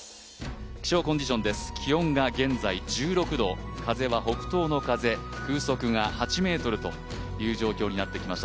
気象コンディション気温が現在１６度、風は北東の風、風速が８メートルという状況になってきました。